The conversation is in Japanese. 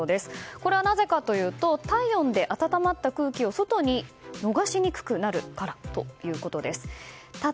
これはなぜかというと体温で暖まった空気を外に逃しにくくなるからということでただ